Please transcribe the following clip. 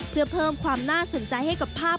เพื่อเพิ่มความน่าสนใจให้กับภาพ